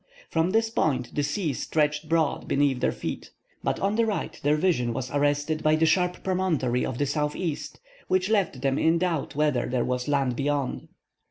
From this point the sea stretched broad beneath their feet; but on the right their vision was arrested by the sharp promontory of the southeast, which left them in doubt whether there was land beyond.